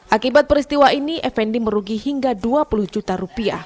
akibat peristiwa ini effendi merugi hingga dua puluh juta rupiah